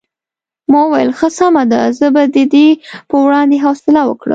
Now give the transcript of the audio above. ما وویل ښه سمه ده زه به د دې په وړاندې حوصله وکړم.